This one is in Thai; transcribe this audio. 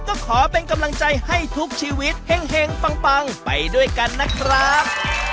ก็ขอเป็นกำลังใจให้ทุกชีวิตแห่งปังไปด้วยกันนะครับ